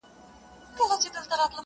ډېري خزانې لرو الماس لرو په غرونو کي,